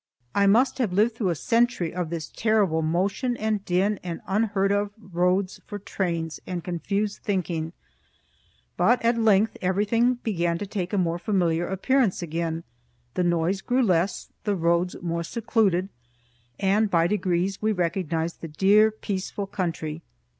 I must have lived through a century of this terrible motion and din and unheard of roads for trains, and confused thinking. But at length everything began to take a more familiar appearance again, the noise grew less, the roads more secluded, and by degrees we recognized the dear, peaceful country.